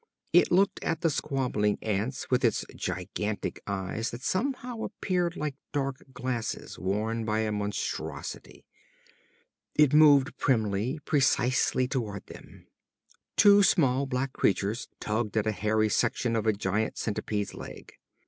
It looked at the squabbling ants with its gigantic eyes that somehow appeared like dark glasses worn by a monstrosity. It moved primly, precisely toward them. Two small black creatures tugged at a hairy section of a giant centipede's leg.